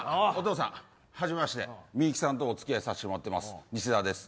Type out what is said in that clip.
お父さん、初めましてミユキさんとお付き合いさせてもらっています。